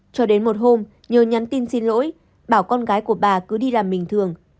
cho đến một hôm nhờ nhắn tin xin lỗi bảo con gái của bà cứ đi làm bình thường